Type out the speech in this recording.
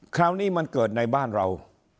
คราวนี้มันเกิดในบ้านเรา